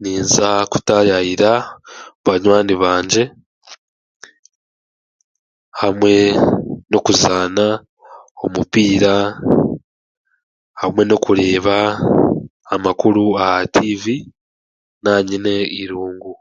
Ninza kutayayira banwaani bangye hamwe n'okuzaana omupiira hamwe n'okureeba amakuru aha TV naanyine eirungu.